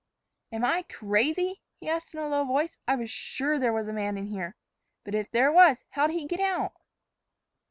"Am I crazy?" he asked in a low voice. "I was sure there was a man in here. But if there was, how'd he get out?"